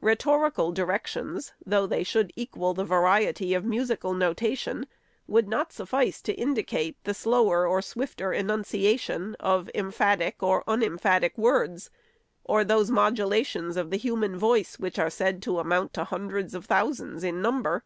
Rhetorical directions, though they should equal the variety of musical notation, would not suffice to indicate the slower or swifter enunciation of emphatic or unemphatic words, or those modulations 542 THE SECRETARY'S of the human voice, which are said to amount to hun dreds of thousands in number.